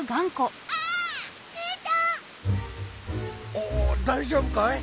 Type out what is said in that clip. おおだいじょうぶかい？